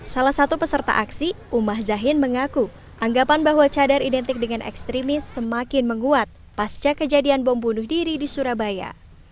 salah satu peserta aksi umah zahin mengaku anggapan bahwa cadar identik dengan ekstremis semakin menguat pasca kejadian bom bunuh diri di surabaya